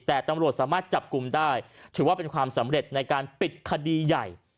แต่ตำรวจสามารถจับกลุ่มได้ถือว่าเป็นความสำเร็จในการปิดคดีใหญ่